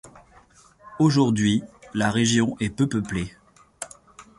Aujourd'hui, la région est peu peuplée.